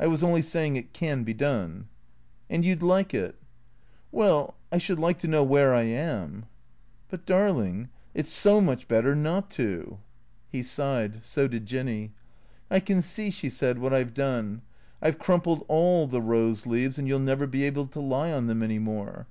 I was only saying it can be done." "And you'd like it?" " Well — I should like to know where I am/' " But — darling — It 's so much better not to." THECKEATORS 381 He sighed. So did Jinny. " I can see/' she said, " what I 've done. I 've crumpled all the rose leaves, and you '11 nevei be able to lie on them any more."